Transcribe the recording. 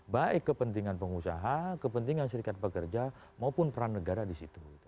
baik kepentingan pengusaha kepentingan serikat pekerja maupun peran negara di situ